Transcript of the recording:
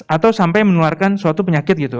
atau sampai menularkan suatu penyakit gitu